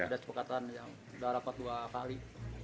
ada kesepakatan iya sudah rapat dua kali